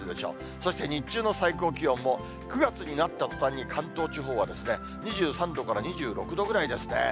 そして日中の最高気温も、９月になったとたんに関東地方は、２３度から２６度ぐらいですね。